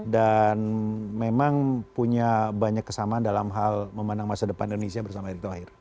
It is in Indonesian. dan memang punya banyak kesamaan dalam hal memenang masa depan indonesia bersama erick thohir